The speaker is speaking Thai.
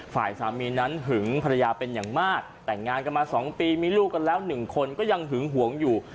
ฝ่ายสามีนั้นหึงภรรยาเป็นอย่างมากแต่งงานกันมา๒ปีมีลูกกันแล้วหนึ่งคนก็ยังหึงหวงอยู่